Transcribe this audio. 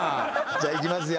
じゃあいきますよ。